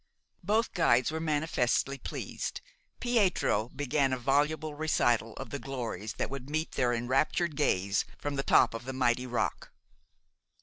Both guides were manifestly pleased. Pietro began a voluble recital of the glories that would meet their enraptured gaze from the top of the mighty rock.